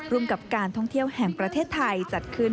กับการท่องเที่ยวแห่งประเทศไทยจัดขึ้น